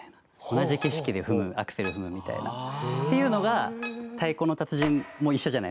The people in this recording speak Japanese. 同じ景色で踏むアクセルを踏むみたいな。っていうのが『太鼓の達人』も一緒じゃないですか。